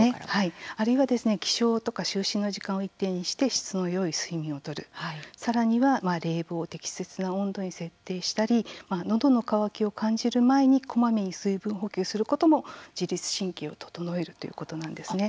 あるいは起床とか就寝の時間を一定にして質のよい睡眠をとるさらには冷房を適切な温度に設定したりのどの渇きを感じる前にこまめに水分補給することも自律神経を整えるということなんですね。